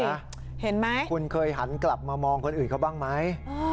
เห็นไหมคุณเคยหันกลับมามองคนอื่นเขาบ้างไหม